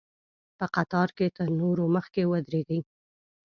په قطار کې تر نورو مخکې ودرېږي.